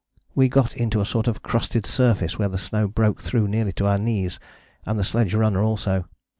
We got into a sort of crusted surface where the snow broke through nearly to our knees and the sledge runner also.